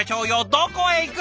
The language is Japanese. どこへ行く！